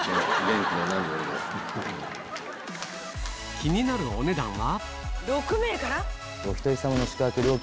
気になるお値段は？